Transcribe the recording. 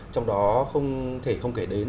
trong đó không thể không kể đến